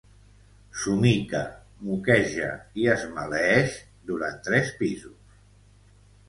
Somica, moqueja i es maleeix durant tres pisos.